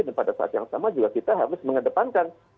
dan pada saat yang sama juga kita harus mengedepankan